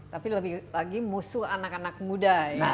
tapi lebih lagi musuh anak anak muda ya